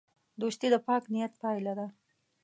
دوستي د پاک نیت پایله ده.